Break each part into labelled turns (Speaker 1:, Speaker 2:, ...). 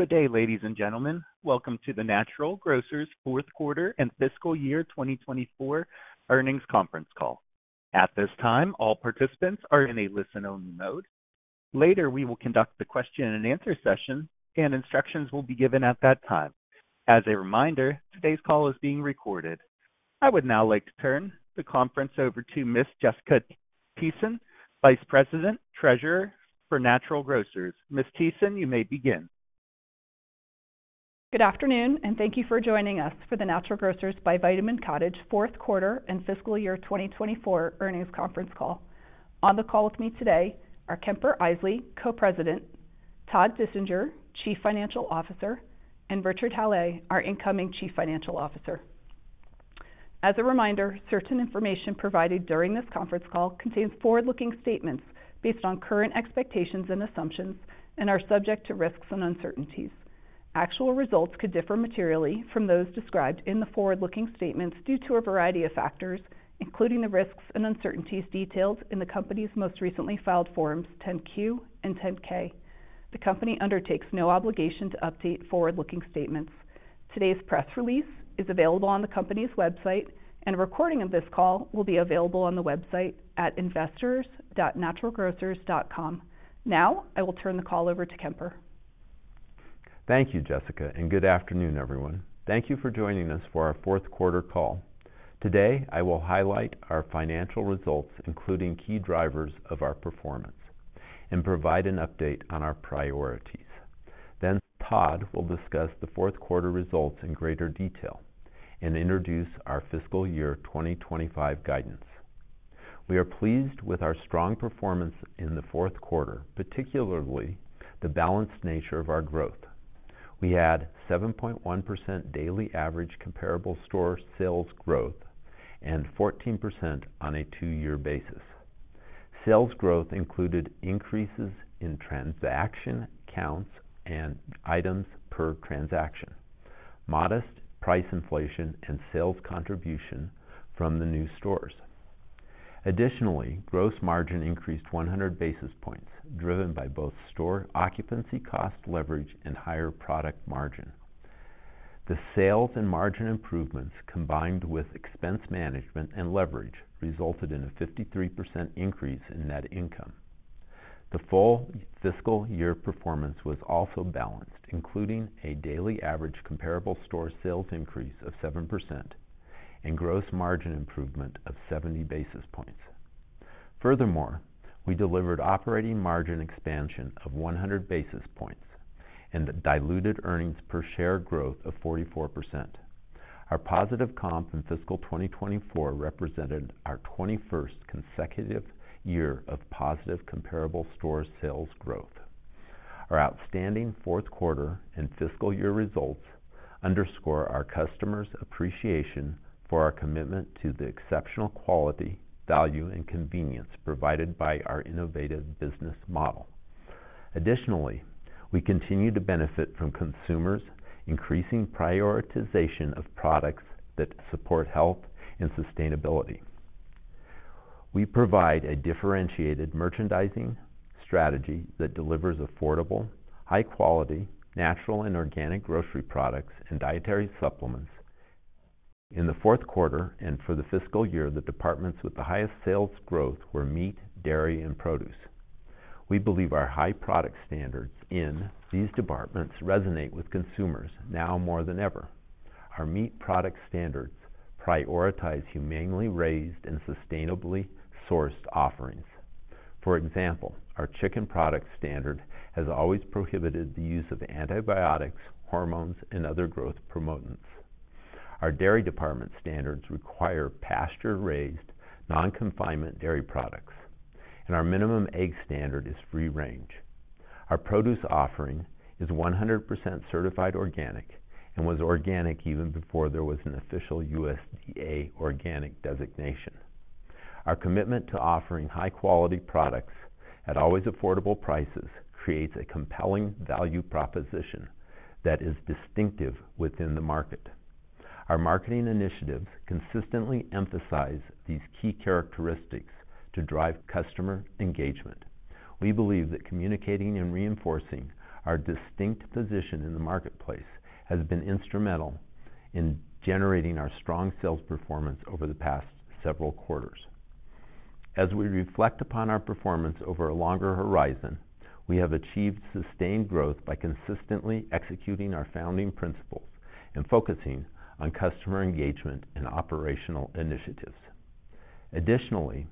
Speaker 1: Good day, ladies and gentlemen. Welcome to the Natural Grocers Q4 and Fiscal Year 2024 Earnings Conference Call. At this time, all participants are in a listen-only mode. Later, we will conduct the question-and-answer session, and instructions will be given at that time. As a reminder, today's call is being recorded. I would now like to turn the conference over to Ms. Jessica Thiesen, Vice President, Treasurer for Natural Grocers. Ms. Thiesen, you may begin.
Speaker 2: Good afternoon, and thank you for joining us for the Natural Grocers by Vitamin Cottage Q4 and Fiscal Year 2024 Earnings Conference Call. On the call with me today are Kemper Isely, Co-President, Todd Dissinger, Chief Financial Officer, and Richard Hallé, our incoming Chief Financial Officer. As a reminder, certain information provided during this conference call contains forward-looking statements based on current expectations and assumptions and are subject to risks and uncertainties. Actual results could differ materially from those described in the forward-looking statements due to a variety of factors, including the risks and uncertainties detailed in the company's most recently filed Form 10-Q and 10-K. The company undertakes no obligation to update forward-looking statements. Today's press release is available on the company's website, and a recording of this call will be available on the website at investors.naturalgrocers.com. Now, I will turn the call over to Kemper.
Speaker 3: Thank you, Jessica, and good afternoon, everyone. Thank you for joining us for our Q4 call. Today, I will highlight our financial results, including key drivers of our performance, and provide an update on our priorities. Then, Todd will discuss the Q4 results in greater detail and introduce our fiscal year 2025 guidance. We are pleased with our strong performance in the Q4, particularly the balanced nature of our growth. We had 7.1% daily average comparable store sales growth and 14% on a two-year basis. Sales growth included increases in transaction counts and items per transaction, modest price inflation, and sales contribution from the new stores. Additionally, gross margin increased 100 basis points, driven by both store occupancy cost leverage and higher product margin. The sales and margin improvements, combined with expense management and leverage, resulted in a 53% increase in net income. The full fiscal year performance was also balanced, including a daily average comparable store sales increase of 7% and gross margin improvement of 70 basis points. Furthermore, we delivered operating margin expansion of 100 basis points and a diluted earnings per share growth of 44%. Our positive comp in fiscal 2024 represented our 21st consecutive year of positive comparable store sales growth. Our outstanding Q4 and fiscal year results underscore our customers' appreciation for our commitment to the exceptional quality, value, and convenience provided by our innovative business model. Additionally, we continue to benefit from consumers' increasing prioritization of products that support health and sustainability. We provide a differentiated merchandising strategy that delivers affordable, high-quality, natural and organic grocery products and dietary supplements. In the Q4 and for the fiscal year, the departments with the highest sales growth were meat, dairy, and produce. We believe our high product standards in these departments resonate with consumers now more than ever. Our meat product standards prioritize humanely raised and sustainably sourced offerings. For example, our chicken product standard has always prohibited the use of antibiotics, hormones, and other growth promotants. Our dairy department standards require pasture-raised, non-confinement dairy products, and our minimum egg standard is free range. Our produce offering is 100% certified organic and was organic even before there was an official USDA organic designation. Our commitment to offering high-quality products at always affordable prices creates a compelling value proposition that is distinctive within the market. Our marketing initiatives consistently emphasize these key characteristics to drive customer engagement. We believe that communicating and reinforcing our distinct position in the marketplace has been instrumental in generating our strong sales performance over the past several quarters. As we reflect upon our performance over a longer horizon, we have achieved sustained growth by consistently executing our founding principles and focusing on customer engagement and operational initiatives. Additionally,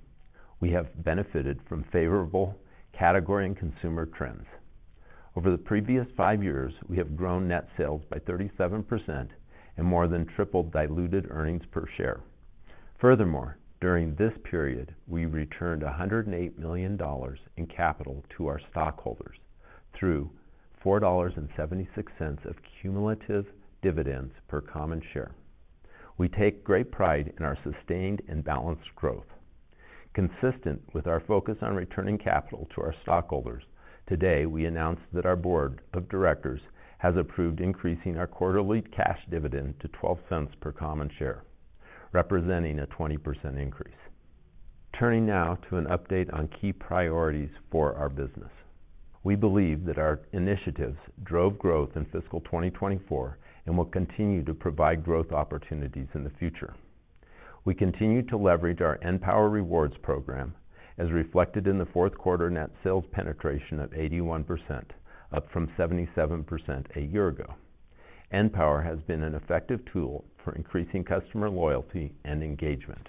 Speaker 3: we have benefited from favorable category and consumer trends. Over the previous five years, we have grown net sales by 37% and more than tripled diluted earnings per share. Furthermore, during this period, we returned $108 million in capital to our stockholders through $4.76 of cumulative dividends per common share. We take great pride in our sustained and balanced growth. Consistent with our focus on returning capital to our stockholders, today we announced that our board of directors has approved increasing our quarterly cash dividend to $0.12 per common share, representing a 20% increase. Turning now to an update on key priorities for our business. We believe that our initiatives drove growth in fiscal 2024 and will continue to provide growth opportunities in the future. We continue to leverage our {N}power Rewards Program, as reflected in the Q4 net sales penetration of 81%, up from 77% a year ago.{N}power has been an effective tool for increasing customer loyalty and engagement.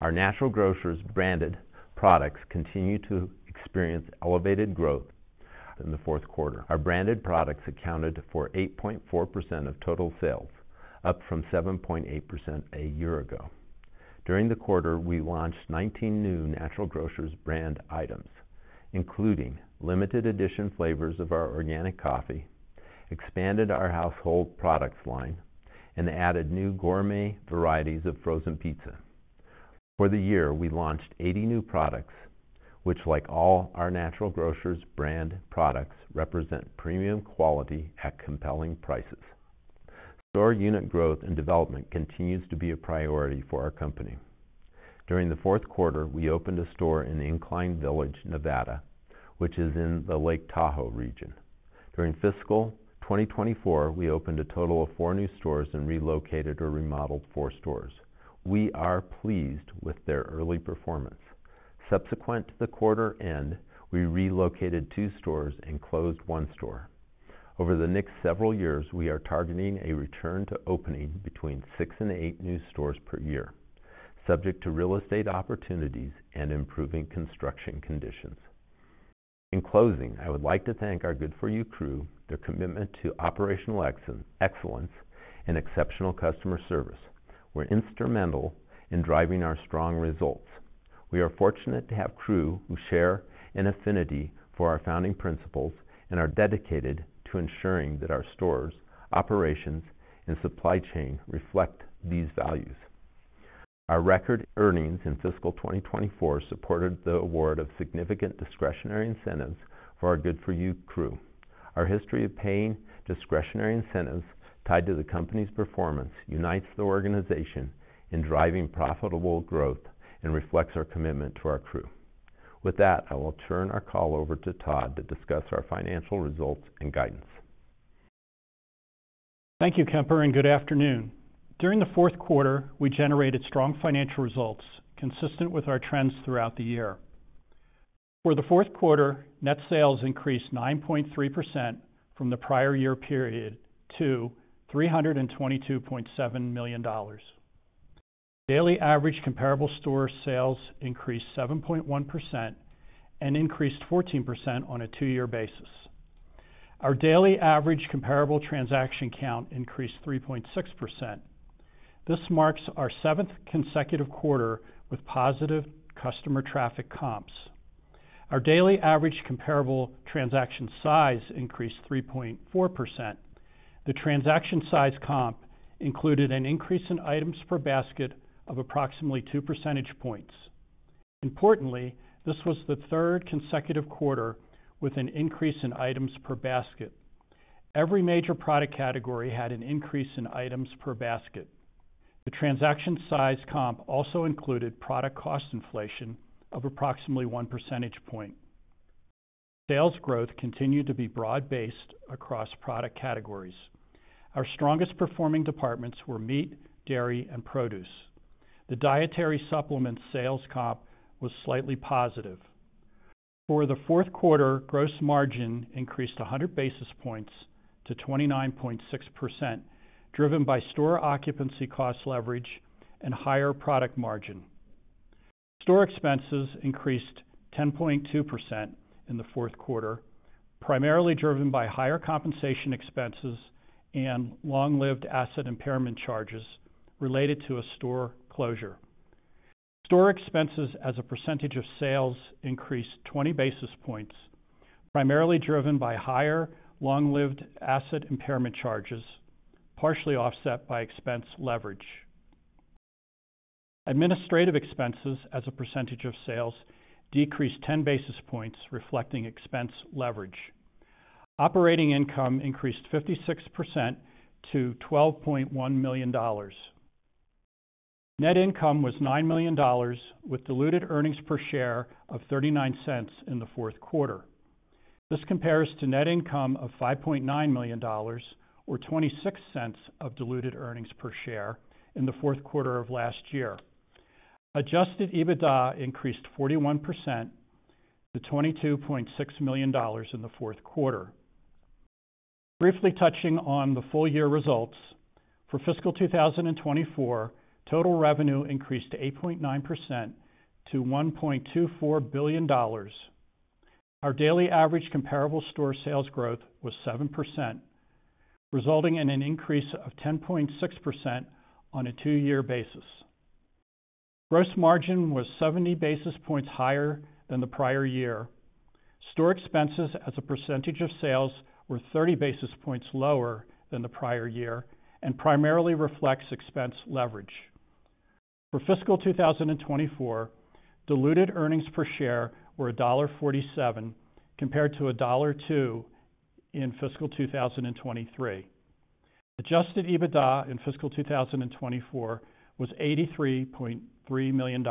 Speaker 3: Our Natural Grocers branded products continue to experience elevated growth in the Q4. Our branded products accounted for 8.4% of total sales, up from 7.8% a year ago. During the quarter, we launched 19 new Natural Grocers Brand items, including limited edition flavors of our organic coffee, expanded our household products line, and added new gourmet varieties of frozen pizza. For the year, we launched 80 new products, which, like all our Natural Grocers Brand products, represent premium quality at compelling prices. Store unit growth and development continues to be a priority for our company. During the Q4, we opened a store in Incline Village, Nevada, which is in the Lake Tahoe region. During fiscal 2024, we opened a total of four new stores and relocated or remodeled four stores. We are pleased with their early performance. Subsequent to the quarter end, we relocated two stores and closed one store. Over the next several years, we are targeting a return to opening between six and eight new stores per year, subject to real estate opportunities and improving construction conditions. In closing, I would like to thank our Good4u Crew, their commitment to operational excellence, and exceptional customer service. We're instrumental in driving our strong results. We are fortunate to have crew who share an affinity for our founding principles and are dedicated to ensuring that our stores, operations, and supply chain reflect these values. Our record earnings in fiscal 2024 supported the award of significant discretionary incentives for our Good4U Crew. Our history of paying discretionary incentives tied to the company's performance unites the organization in driving profitable growth and reflects our commitment to our crew. With that, I will turn our call over to Todd to discuss our financial results and guidance.
Speaker 4: Thank you, Kemper, and good afternoon. During Q4, we generated strong financial results consistent with our trends throughout the year. For Q4, net sales increased 9.3% from the prior year period to $322.7 million. Daily average comparable store sales increased 7.1% and increased 14% on a two-year basis. Our daily average comparable transaction count increased 3.6%. This marks our seventh consecutive quarter with positive customer traffic comps. Our daily average comparable transaction size increased 3.4%. The transaction size comp included an increase in items per basket of approximately two percentage points. Importantly, this was the third consecutive quarter with an increase in items per basket. Every major product category had an increase in items per basket. The transaction size comp also included product cost inflation of approximately one percentage point. Sales growth continued to be broad-based across product categories. Our strongest performing departments were meat, dairy, and produce. The dietary supplements sales comp was slightly positive. For the Q4, gross margin increased 100 basis points to 29.6%, driven by store occupancy cost leverage and higher product margin. Store expenses increased 10.2% in the Q4, primarily driven by higher compensation expenses and long-lived asset impairment charges related to a store closure. Store expenses as a percentage of sales increased 20 basis points, primarily driven by higher long-lived asset impairment charges, partially offset by expense leverage. Administrative expenses as a percentage of sales decreased 10 basis points, reflecting expense leverage. Operating income increased 56% to $12.1 million. Net income was $9 million, with diluted earnings per share of $0.39 in the Q4. This compares to net income of $5.9 million, or $0.26 of diluted earnings per share in Q4 of last year. Adjusted EBITDA increased 41% to $22.6 million in Q4. Briefly touching on the full year results, for fiscal 2024, total revenue increased 8.9% to $1.24 billion. Our daily average comparable store sales growth was 7%, resulting in an increase of 10.6% on a two-year basis. Gross margin was 70 basis points higher than the prior year. Store expenses as a percentage of sales were 30 basis points lower than the prior year and primarily reflects expense leverage. For fiscal 2024, diluted earnings per share were $1.47 compared to 1.02 in fiscal 2023. Adjusted EBITDA in fiscal 2024 was $83.3 million.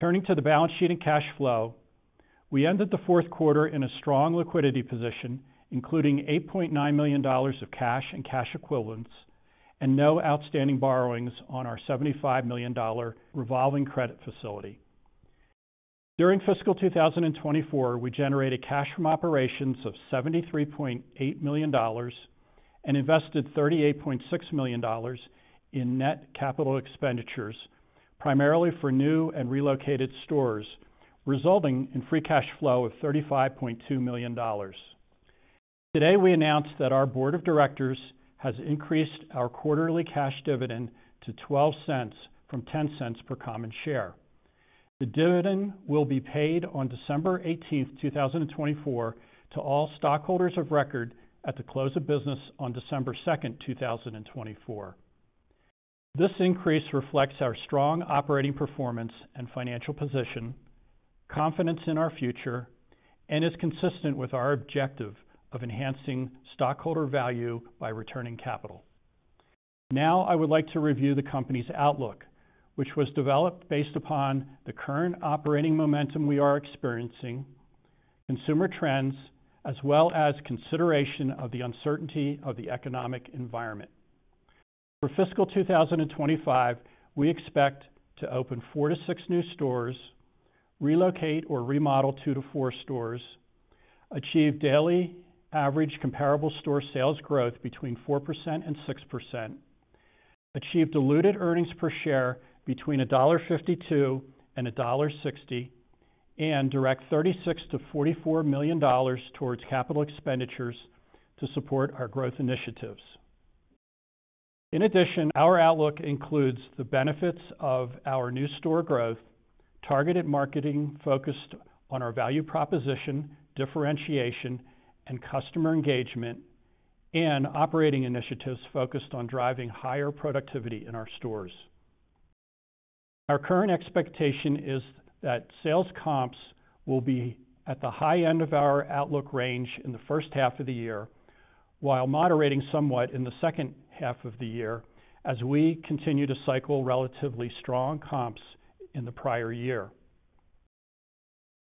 Speaker 4: Turning to the balance sheet and cash flow, we ended Q4 in a strong liquidity position, including $8.9 million of cash and cash equivalents and no outstanding borrowings on our $75 million revolving credit facility. During fiscal 2024, we generated cash from operations of $73.8 and invested 38.6 million in net capital expenditures, primarily for new and relocated stores, resulting in free cash flow of $35.2 million. Today, we announced that our board of directors has increased our quarterly cash dividend to $0.12 from 0.10 per common share. The dividend will be paid on December 18, 2024, to all stockholders of record at the close of business on December 2, 2024. This increase reflects our strong operating performance and financial position, confidence in our future, and is consistent with our objective of enhancing stockholder value by returning capital. Now, I would like to review the company's outlook, which was developed based upon the current operating momentum we are experiencing, consumer trends, as well as consideration of the uncertainty of the economic environment. For fiscal 2025, we expect to open four to six new stores, relocate or remodel two to four stores, achieve daily average comparable store sales growth between 4% and 6%, achieve diluted earnings per share between $1.52 and 1.60, and direct $36-44 million towards capital expenditures to support our growth initiatives. In addition, our outlook includes the benefits of our new store growth, targeted marketing focused on our value proposition, differentiation, and customer engagement, and operating initiatives focused on driving higher productivity in our stores. Our current expectation is that sales comps will be at the high end of our outlook range in the first half of the year, while moderating somewhat in the second half of the year as we continue to cycle relatively strong comps in the prior year.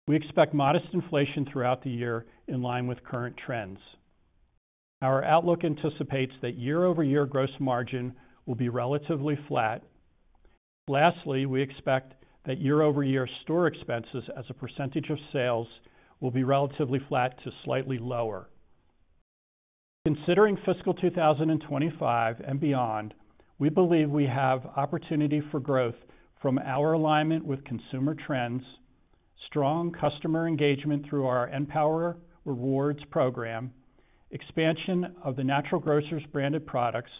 Speaker 4: We expect modest inflation throughout the year in line with current trends. Our outlook anticipates that year-over-year gross margin will be relatively flat. Lastly, we expect that year-over-year store expenses as a percentage of sales will be relatively flat to slightly lower. Considering fiscal 2025 and beyond, we believe we have opportunity for growth from our alignment with consumer trends, strong customer engagement through our {N}power Rewards program, expansion of the Natural Grocers branded products,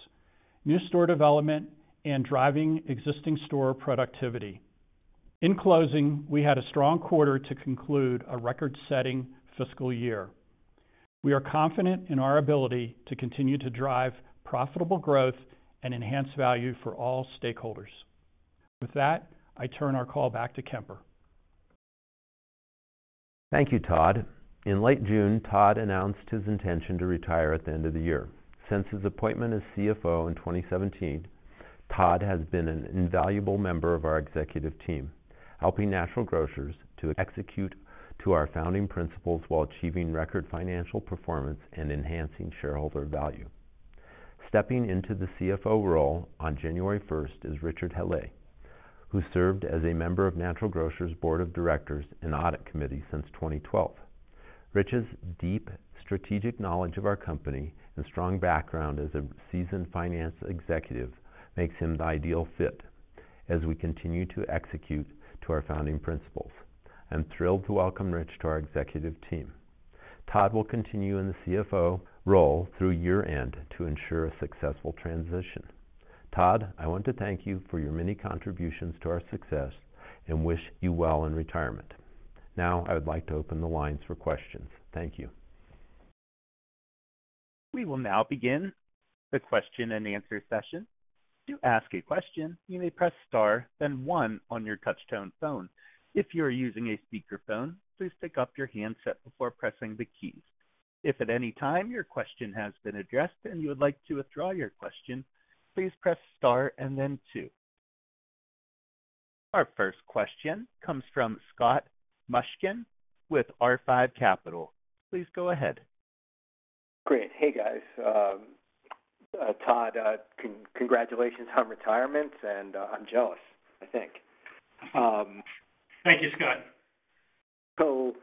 Speaker 4: new store development, and driving existing store productivity. In closing, we had a strong quarter to conclude a record-setting fiscal year. We are confident in our ability to continue to drive profitable growth and enhance value for all stakeholders. With that, I turn our call back to Kemper.
Speaker 3: Thank you, Todd. In late June, Todd announced his intention to retire at the end of the year. Since his appointment as CFO in 2017, Todd has been an invaluable member of our executive team, helping Natural Grocers to execute to our founding principles while achieving record financial performance and enhancing shareholder value. Stepping into the CFO role on January 1 is Richard Hallé, who served as a member of Natural Grocers Board of Directors and Audit Committee since 2012. Rich's deep strategic knowledge of our company and strong background as a seasoned finance executive makes him the ideal fit as we continue to execute to our founding principles. I'm thrilled to welcome Richard to our executive team. Todd will continue in the CFO role through year-end to ensure a successful transition. Todd, I want to thank you for your many contributions to our success and wish you well in retirement. Now, I would like to open the lines for questions. Thank you.
Speaker 1: We will now begin the question and answer session. To ask a question, you may press star, then one on your touch-tone phone. If you are using a speakerphone, please pick up your handset before pressing the keys. If at any time your question has been addressed and you would like to withdraw your question, please press star and then two. Our first question comes from Scott Mushkin with R5 Capital. Please go ahead.
Speaker 5: Great. Hey, guys. Todd, congratulations on retirement, and I'm jealous, I think.
Speaker 4: Thank you, Scott.
Speaker 5: So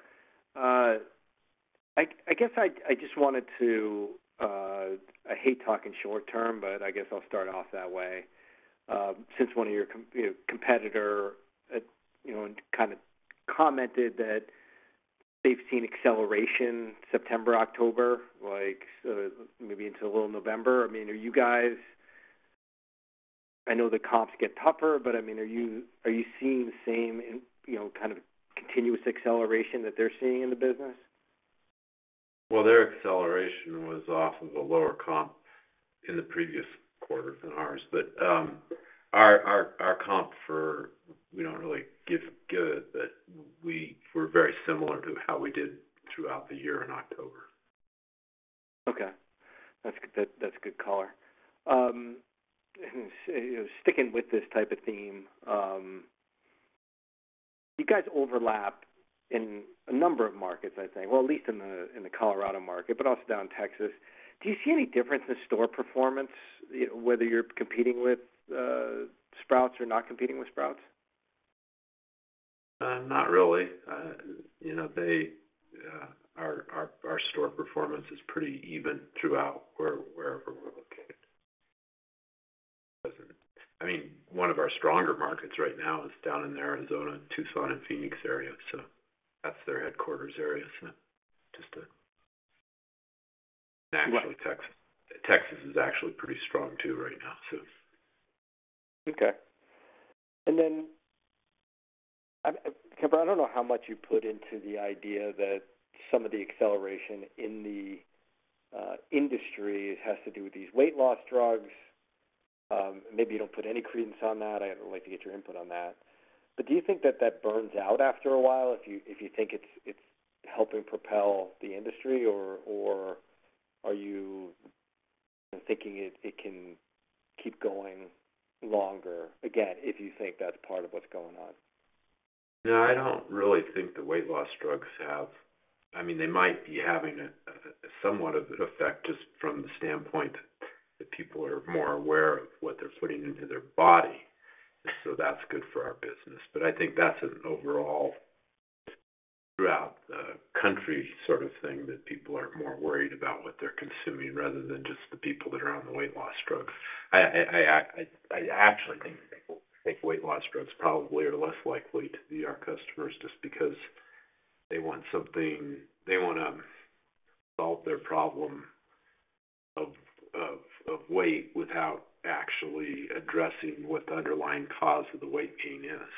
Speaker 5: I guess I just wanted to, I hate talking short-term, but I guess I'll start off that way. Since one of your competitors kind of commented that they've seen acceleration September, October, maybe into a little November, I mean, are you guys, I know the comps get tougher, but I mean, are you seeing the same kind of continuous acceleration that they're seeing in the business?
Speaker 3: Their acceleration was off of a lower comp in the previous quarter than ours. But our comp. We don't really give it, but we were very similar to how we did throughout the year in October.
Speaker 5: Okay. That's good color. Sticking with this type of theme, you guys overlap in a number of markets, I think, well, at least in the Colorado market, but also down in Texas. Do you see any difference in store performance, whether you're competing with Sprouts or not competing with Sprouts?
Speaker 3: Not really. Our store performance is pretty even throughout wherever we're located. I mean, one of our stronger markets right now is down in Arizona, Tucson, and Phoenix area, so that's their headquarters area, so actually, Texas is actually pretty strong too right now, so.
Speaker 5: Okay. And then, Kemper, I don't know how much you put into the idea that some of the acceleration in the industry has to do with these weight loss drugs. Maybe you don't put any credence on that. I'd like to get your input on that. But do you think that that burns out after a while if you think it's helping propel the industry, or are you thinking it can keep going longer, again, if you think that's part of what's going on?
Speaker 3: No, I don't really think the weight loss drugs have, I mean, they might be having somewhat of an effect just from the standpoint that people are more aware of what they're putting into their body. So that's good for our business. But I think that's an overall throughout the country sort of thing that people are more worried about what they're consuming rather than just the people that are on the weight loss drugs. I actually think people who take weight loss drugs probably are less likely to be our customers just because they want something, they want to solve their problem of weight without actually addressing what the underlying cause of the weight gain is.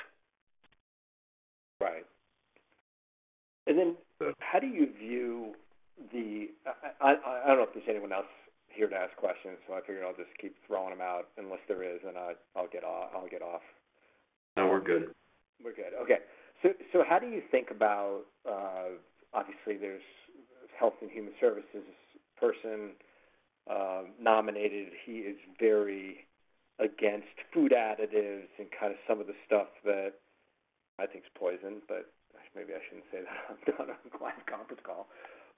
Speaker 5: Right. And then how do you view the, I don't know if there's anyone else here to ask questions, so I figured I'll just keep throwing them out unless there is, and I'll get off.
Speaker 3: No, we're good.
Speaker 5: We're good. Okay. So how do you think about, obviously, there's a Health and Human Services person nominated. He is very against food additives and kind of some of the stuff that I think is poison, but maybe I shouldn't say that on a client conference call.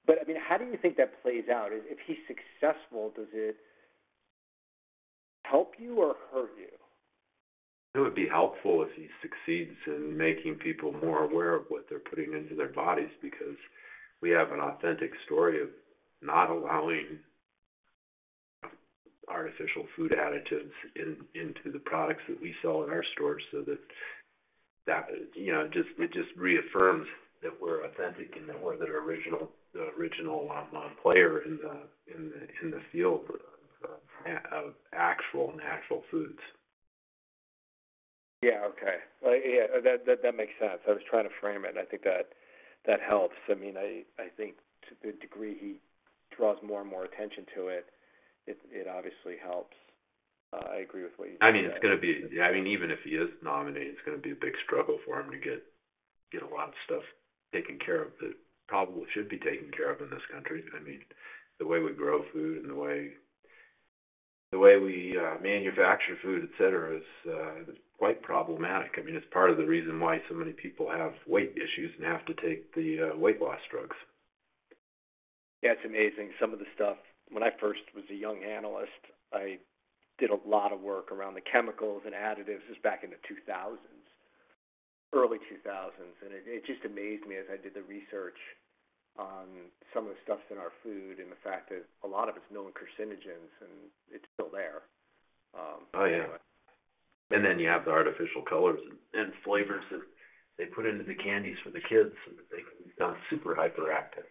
Speaker 5: But I mean, how do you think that plays out? If he's successful, does it help you or hurt you?
Speaker 3: It would be helpful if he succeeds in making people more aware of what they're putting into their bodies, because we have an authentic story of not allowing artificial food additives into the products that we sell in our stores, so that it just reaffirms that we're authentic and that we're the original player in the field of actual natural foods.
Speaker 5: Yeah. Okay. Yeah. That makes sense. I was trying to frame it, and I think that helps. I mean, I think to the degree he draws more and more attention to it, it obviously helps. I agree with what you said.
Speaker 3: I mean, it's going to be, I mean, even if he is nominated, it's going to be a big struggle for him to get a lot of stuff taken care of that probably should be taken care of in this country. I mean, the way we grow food and the way we manufacture food, etc., is quite problematic. I mean, it's part of the reason why so many people have weight issues and have to take the weight loss drugs.
Speaker 5: Yeah. It's amazing. Some of the stuff, when I first was a young analyst, I did a lot of work around the chemicals and additives just back in the 2000s, early 2000s, and it just amazed me as I did the research on some of the stuff in our food and the fact that a lot of it's known carcinogens, and it's still there.
Speaker 3: Oh, yeah. And then you have the artificial colors and flavors that they put into the candies for the kids, and they've gone super hyperactive.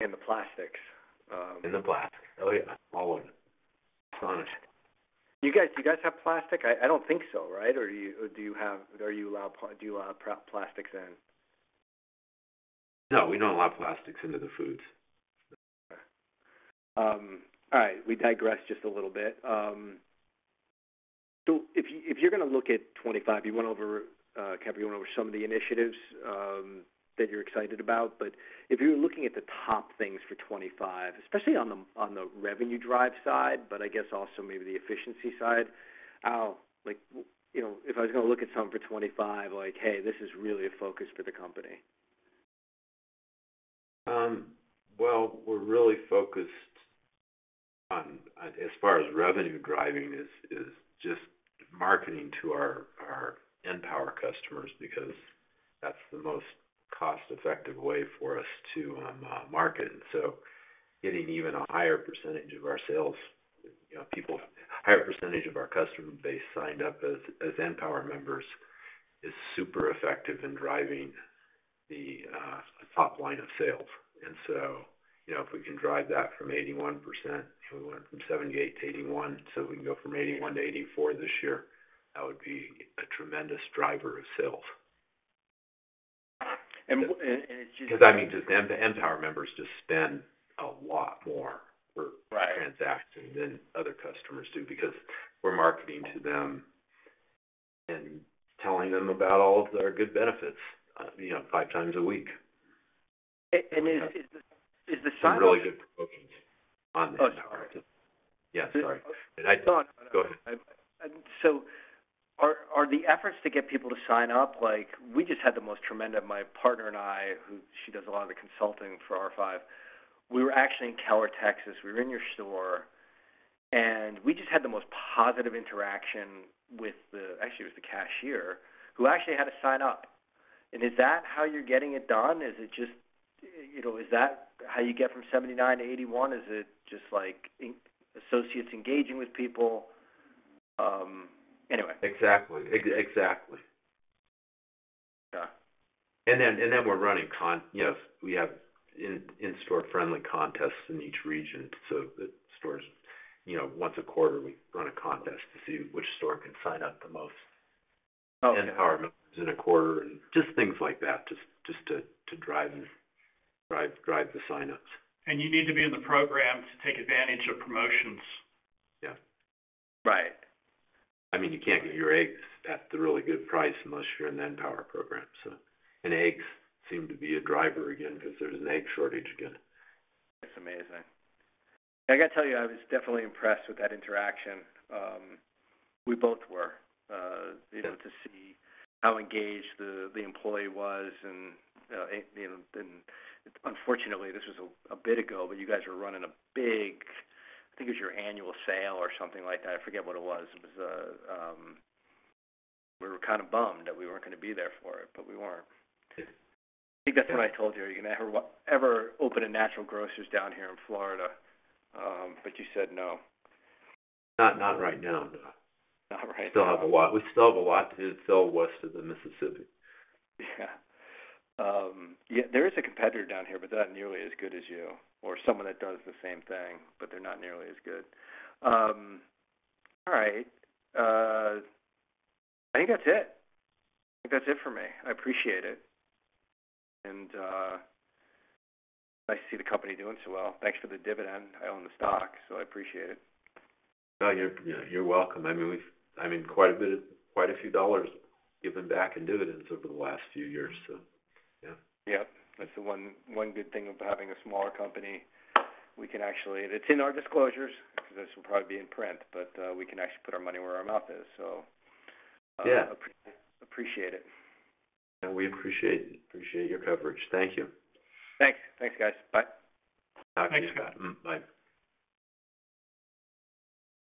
Speaker 5: The plastics.
Speaker 3: And the plastics. Oh, yeah. All of it. Astonished.
Speaker 5: You guys have plastic? I don't think so, right? Or do you allow plastics in?
Speaker 3: No, we don't allow plastics into the foods.
Speaker 5: Okay. All right. We digressed just a little bit. So if you're going to look at 2025, you went over, Kemper, you went over some of the initiatives that you're excited about. But if you're looking at the top things for 2025, especially on the revenue drive side, but I guess also maybe the efficiency side, how, if I was going to look at something for 2025, like, "Hey, this is really a focus for the company"?
Speaker 3: We're really focused on, as far as revenue driving, is just marketing to our {N}power customers because that's the most cost-effective way for us to market. Getting even a higher percentage of our salespeople, a higher percentage of our customer base signed up as {N}power members is super effective in driving the top line of sales. If we can drive that from 81%, and we went from 78% to 81%, so we can go from 81% to 84% this year, that would be a tremendous driver of sales.
Speaker 5: It's just.
Speaker 3: Because, I mean, just {N}power members just spend a lot more per transaction than other customers do because we're marketing to them and telling them about all of their good benefits five times a week.
Speaker 5: Is the sign-up.
Speaker 3: We're really good at promoting it on the {N}power team.
Speaker 5: Oh, sorry.
Speaker 3: Yeah. Sorry.
Speaker 5: Todd, go ahead.
Speaker 3: Go ahead.
Speaker 5: So, are the efforts to get people to sign up? We just had the most tremendous. My partner and I, who she does a lot of the consulting for R5, we were actually in Keller, Texas. We were in your store, and we just had the most positive interaction with the, actually, it was the cashier who actually had a sign-up. And is that how you're getting it done? Is it just, is that how you get from 79% to 81%? Is it just associates engaging with people? Anyway.
Speaker 3: Exactly. Exactly.
Speaker 5: Okay.
Speaker 3: And then we're running, we have in-store-friendly contests in each region. So the stores, once a quarter, we run a contest to see which store can sign up the most {N}power members in a quarter and just things like that, just to drive the sign-ups.
Speaker 4: You need to be in the program to take advantage of promotions.
Speaker 3: Yeah.
Speaker 5: Right.
Speaker 3: I mean, you can't get your eggs at the really good price unless you're in the {N}power program, so, and eggs seem to be a driver again because there's an egg shortage again.
Speaker 5: That's amazing. I got to tell you, I was definitely impressed with that interaction. We both were to see how engaged the employee was, and unfortunately, this was a bit ago, but you guys were running a big, I think it was your annual sale or something like that. I forget what it was. We were kind of bummed that we weren't going to be there for it, but we weren't.
Speaker 3: Yeah.
Speaker 5: I think that's what I told you. Are you going to ever open a Natural Grocers down here in Florida? But you said no.
Speaker 3: Not right now, no.
Speaker 5: Not right now.
Speaker 3: We still have a lot to do. It's still west of the Mississippi.
Speaker 5: Yeah. There is a competitor down here, but they're not nearly as good as you or someone that does the same thing, but they're not nearly as good. All right. I think that's it. I think that's it for me. I appreciate it and nice to see the company doing so well. Thanks for the dividend. I own the stock, so I appreciate it.
Speaker 3: Oh, you're welcome. I mean, we've quite a few dollars given back in dividends over the last few years, so yeah.
Speaker 5: Yep. That's the one good thing of having a smaller company. We can actually, and it's in our disclosures because this will probably be in print, but we can actually put our money where our mouth is, so.
Speaker 3: Yeah.
Speaker 5: Appreciate it.
Speaker 3: Yeah. We appreciate your coverage. Thank you.
Speaker 5: Thanks. Thanks, guys. Bye.
Speaker 3: Talk to you soon.
Speaker 4: Thanks, Scott.
Speaker 3: Bye.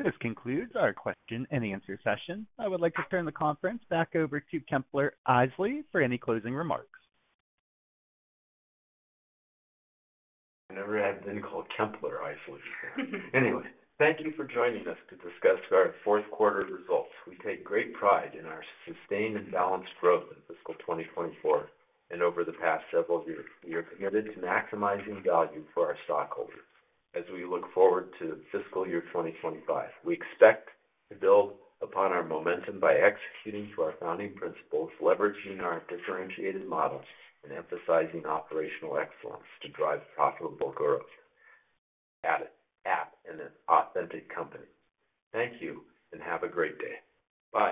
Speaker 3: This concludes our question and answer session. I would like to turn the conference back over to Kemper Isely for any closing remarks. I never had been called Kemper Isely. Anyway, thank you for joining us to discuss our Q4 results. We take great pride in our sustained and balanced growth in fiscal 2024 and over the past several years. We are committed to maximizing value for our stockholders as we look forward to fiscal year 2025. We expect to build upon our momentum by executing to our founding principles, leveraging our differentiated model, and emphasizing operational excellence to drive profitable growth at an authentic company. Thank you and have a great day. Bye.